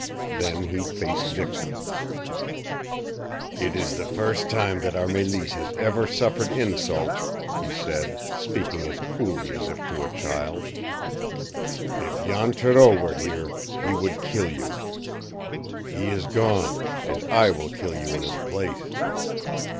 Then he faced Dixon. "It is the first time that our Mélisse has ever suffered insult," he said, speaking as coolly as if to a child. "If Jan Thoreau were here, he would kill you. He is gone, and I will kill you in his place!"